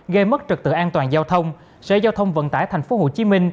gây mất trực tự an toàn giao thông sở giao thông vận tải tp hcm